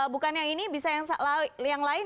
bukannya ini bisa yang lain